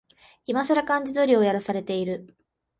いまさら漢字ドリルをやらされてる